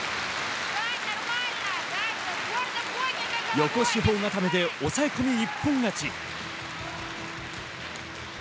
横四方固めで抑え込み一本勝ち。